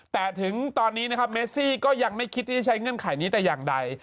แต่ถึงตอนนี้นะครับเมซี่ก็ยังไม่คิดที่จะใช้เงื่อนไขนี้แต่อย่างใด